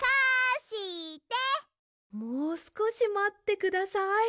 もうすこしまってください。